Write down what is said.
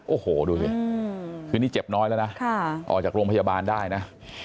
โอ้โหดูสิคือนี่เจ็บน้อยแล้วนะออกจากโรงพยาบาลได้นะ